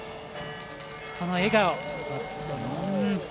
この笑顔。